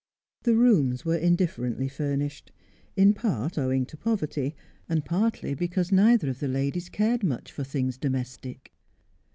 The rooms were indifferently furnished; in part, owing to poverty, and partly because neither of the ladies cared much for things domestic.